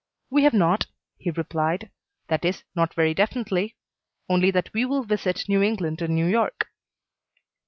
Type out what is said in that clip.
"We have not," he replied; "that is, not very definitely; only that we will visit New England and New York."